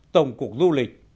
tổng cục du lịch